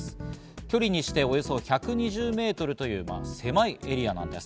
距離にしておよそ１２０ｍという狭いエリアなんです。